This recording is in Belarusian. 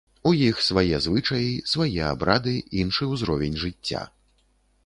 У іх свае звычаі, свае абрады, іншы ўзровень жыцця.